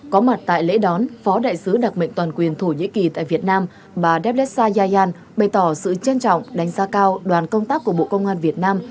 có mặt tại lễ đón phó đại sứ đặc mệnh toàn quyền thổ nhĩ kỳ tại việt nam bà devessayaan bày tỏ sự trân trọng đánh giá cao đoàn công tác của bộ công an việt nam